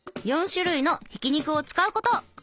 ４種類のひき肉を使うこと！